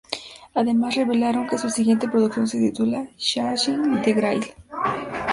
Además revelaron que su siguiente producción se titula "Chasing The Grail.